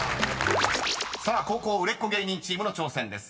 ［さあ後攻売れっ子芸人チームの挑戦です］